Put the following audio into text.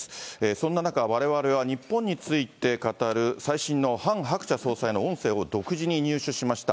そんな中、われわれは日本について語る最新のハン・ハクチャ総裁の音声を独自に入手しました。